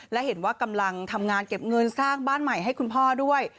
และเห็นว่ากำลังทำงานเก็บเงินสร้างบ้านใหม่ให้คุณพ่อด้วย